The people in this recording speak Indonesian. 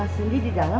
sini di dalam